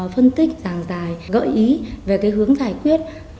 phân tích giảng dài gợi ý về cái hướng giải quyết